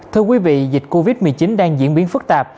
thưa quý vị dịch covid một mươi chín đang diễn biến phức tạp